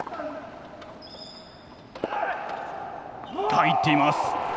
入っています！